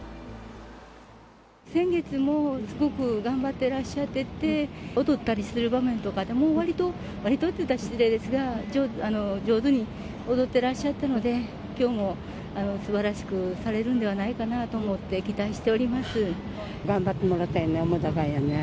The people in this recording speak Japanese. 先月もすごく頑張ってらっしゃってて、踊ったりする場面とかでも、わりと、わりとって言ったら失礼ですが、上手に踊ってらっしゃったので、きょうもすばらしくされるんではないかなと思って、頑張ってもらいたいね、澤瀉屋ね。